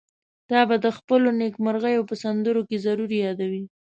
تا به د خپلو نېکمرغيو په سندرو کې ضرور يادوي.